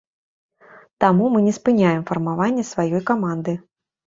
Таму мы не спыняем фармаванне сваёй каманды.